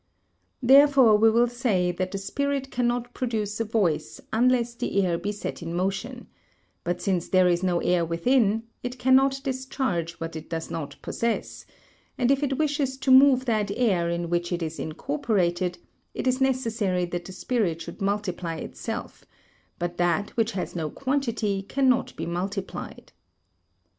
Therefore we will say that the spirit cannot produce a voice unless the air be set in motion, but since there is no air within, it cannot discharge what it does not possess; and if it wishes to move that air in which it is incorporated, it is necessary that the spirit should multiply itself; but that which has no quantity cannot be multiplied.